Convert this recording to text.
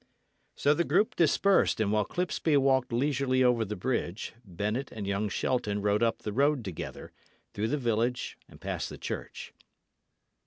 So the group dispersed, and while Clipsby walked leisurely over the bridge, Bennet and young Shelton rode up the road together, through the village and past the church.